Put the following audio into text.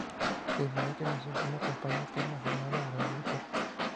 De inmediato inició una campaña por la jornada laboral de ocho horas.